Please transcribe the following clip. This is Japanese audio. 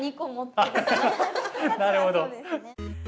なるほど。